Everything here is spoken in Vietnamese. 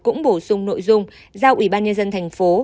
cũng bổ sung nội dung giao ủy ban nhân dân thành phố